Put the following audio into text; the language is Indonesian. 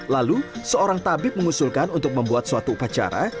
lalu seorang tabib mengusulkan untuk membuat suatu upacara